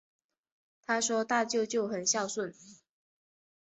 她说大舅舅很孝顺